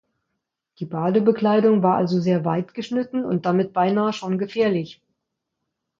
Die Badebekleidung war also sehr weit geschnitten und damit beinahe schon gefährlich.